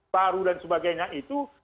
baru dan sebagainya itu